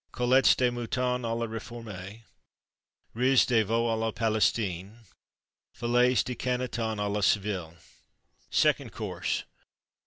Côtelettes de Mouton à la Réforme. Riz de Veau à la Palestine. Filets de Canneton à la Séville. SECOND COURSE.